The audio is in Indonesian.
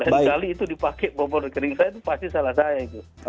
lain kali itu dipakai pembeli kering saya itu pasti salah saya itu